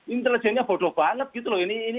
intelijennya bodoh banget gitu loh ini